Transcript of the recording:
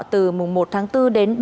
từ mùng một tháng bốn đến